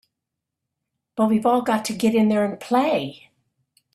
But we've all got to get in there and play!